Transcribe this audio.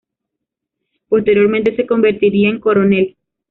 Posteriormente se convertiría en Coronel.